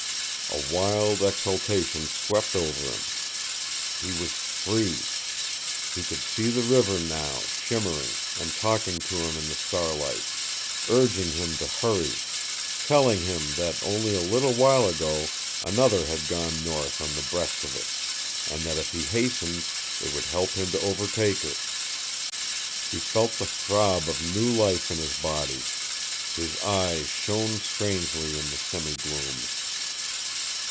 A wild exultation swept over him. He was free! He could see the river now, shimmering and talking to him in the starlight, urging him to hurry, telling him that only a little while ago another had gone north on the breast of it, and that if he hastened it would help him to overtake her. He felt the throb of new life in his body. His eyes shone strangely in the semi gloom.